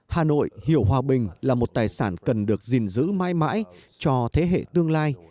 hà nội hiểu hòa bình là một tài sản cần được gìn giữ mãi mãi cho thế hệ tương lai